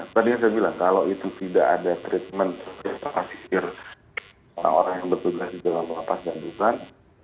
tadi saya bilang kalau itu tidak ada treatment terkait pasir orang orang yang bertugas di jalan jalan pasir dan tutan